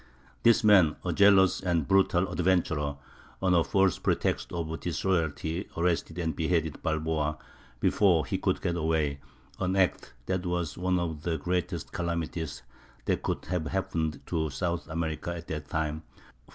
This man, a jealous and brutal adventurer, on a false pretext of disloyalty arrested and beheaded Balboa before he could get away—an act that "was one of the greatest calamities that could have happened to South America at that time; for